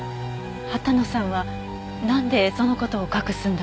羽田野さんはなんでその事を隠すんだろう？